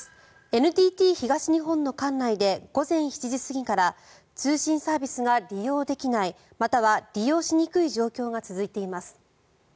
ＮＴＴ東日本の管内で午前７時過ぎから通信サービスが利用できないまたは利用しにくい状況が続いています。